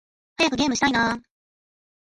早くゲームしたいな〜〜〜